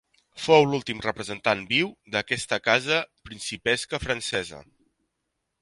Fou l'últim representant viu d'aquesta casa principesca francesa.